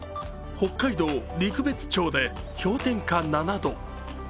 北海道陸別町で氷点下７度。